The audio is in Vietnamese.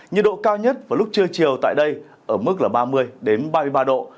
nhiệt độ cao nhất vào lúc trưa chiều tại đây ở mức là ba mươi ba mươi ba độ